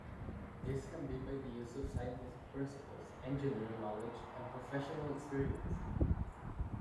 This can be by the use of scientific principles, engineering knowledge, and professional experience.